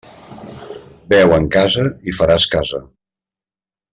Beu en casa i faràs casa.